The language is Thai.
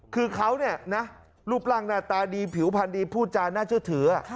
คือเขารูปรังหน้าตาดีผิวผันดีผู้จาน่าเชื่อถือ